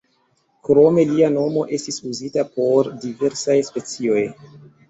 Krome lia nomo estis uzita por diversaj specioj.